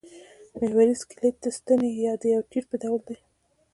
محوري سکلېټ د ستنې یا یو تیر په ډول دی.